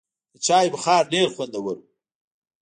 د چای بخار ډېر خوندور و.